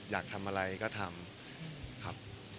อยากทำอะไรก็ทำ